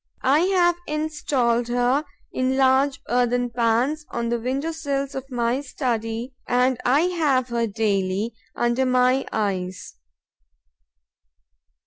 I have installed her in large earthen pans on the window sills of my study and I have her daily under my eyes.